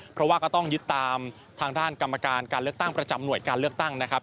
เพราะว่าก็ต้องยึดตามทางด้านกรรมการการเลือกตั้งประจำหน่วยการเลือกตั้งนะครับ